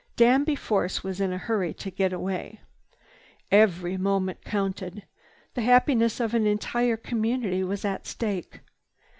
Danby Force was in a hurry to get away. Every moment counted. The happiness of an entire community was at stake.